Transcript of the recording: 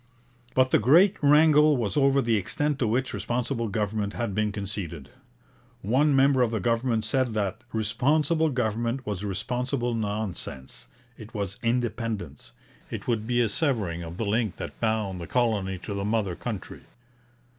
But the great wrangle was over the extent to which Responsible Government had been conceded. One member of the government said that 'Responsible Government was responsible nonsense it was independence. It would be a severing of the link which bound the colony to the mother country.'